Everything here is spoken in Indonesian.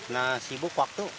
nah sibuk waktu